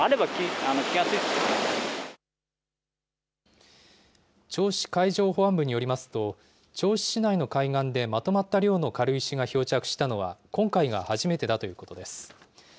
銚子海上保安部によりますと、銚子市内の海岸でまとまった量の軽石が漂着したのは、今回が初めてだということです。